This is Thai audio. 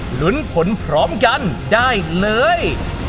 ลุ้นผลพร้อมกันได้เลย